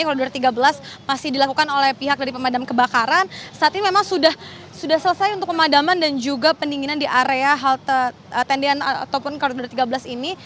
koridor tiga belas masih dilakukan oleh pihak dari pemadam kebakaran saat ini memang sudah selesai untuk pemadaman dan juga pendinginan di area halte tendian ataupun koridor tiga belas ini